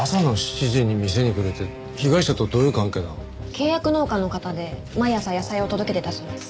契約農家の方で毎朝野菜を届けてたそうです。